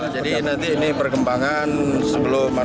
jadi nanti ini perkembangan sebelum